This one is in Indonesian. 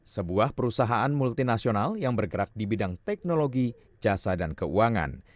sebuah perusahaan multinasional yang bergerak di bidang teknologi jasa dan keuangan